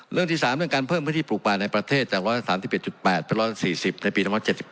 เรื่องที่๓เรื่องการเพิ่มพื้นที่ปลูกป่าในประเทศจาก๑๓๑๘เป็น๑๔๐ในปี๑๗๒